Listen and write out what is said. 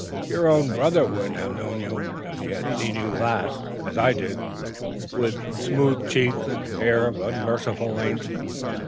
Your own brother wouldn't have known you, if he had seen you last, as I did, with smooth cheeks and hair of unmerciful length.